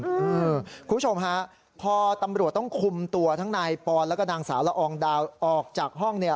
คุณผู้ชมฮะพอตำรวจต้องคุมตัวทั้งนายปอนแล้วก็นางสาวละอองดาวออกจากห้องเนี่ย